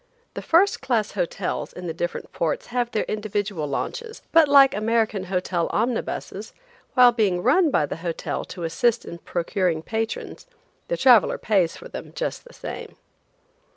The first class hotels in the different ports have their individual launches, but like American hotel omnibuses, while being run by the hotel to assist in procuring patrons, the traveler pays for them just the same.